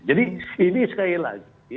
jadi ini sekali lagi